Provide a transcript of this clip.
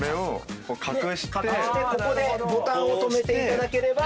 ここでボタンを留めていただければ。